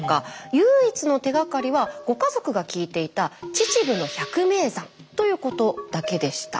唯一の手がかりはご家族が聞いていたということだけでした。